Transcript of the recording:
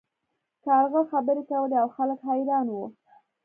کارغه خبرې کولې او خلک حیران وو.